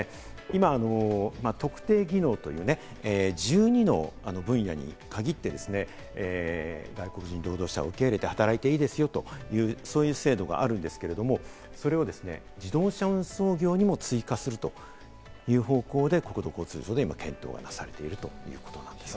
今、特定技能という１２の分野に限ってですね、外国人労働者を受け入れて働いていいですよという、そういう制度があるんですけれども、それをですね、自動車運送業にも追加するという方向で今、検討がなされているということなんですね。